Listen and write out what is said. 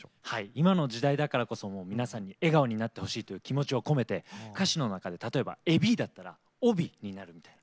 今の時代だからこそ皆さんに笑顔になってほしいという気持ちをを込めて歌詞の中で例えば「エビ」だったら「オビ」になるみたいな。